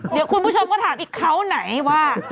เดี๋ยวคุณผู้ชมก็ถามอีกเขาไหนว่า